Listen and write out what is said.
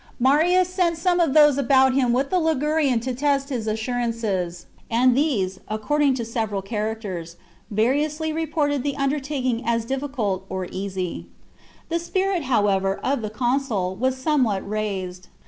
Marius sent some of those about him with the Ligurian to test XCIV. THE JUGURTHINE WAR. 225 his assurances, and these, according to their several chap. characters, variously reported the undertaking as difficult or easy. The spirit, however, of the consul was somewhat raised.